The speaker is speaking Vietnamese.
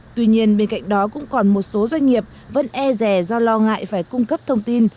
tuy nhiên bên cạnh đó cũng còn một số doanh nghiệp vẫn e rè do lo ngại phải cung cấp thông tin